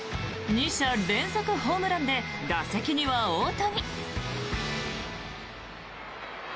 ２者連続ホームランで打席には大谷。